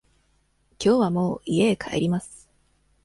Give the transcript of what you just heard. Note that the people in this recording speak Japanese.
きょうはもう家へ帰ります。